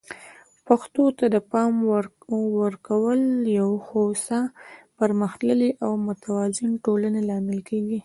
پښتو ته د پام ورکول د یو هوسا، پرمختللي او متوازن ټولنې لامل کیږي.